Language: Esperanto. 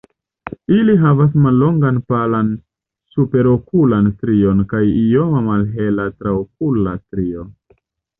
Ili havas mallongan palan superokulan strion kaj ioma malhela traokula strio.